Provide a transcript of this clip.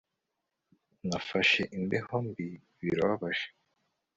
Nafashe imbeho mbi Birababaje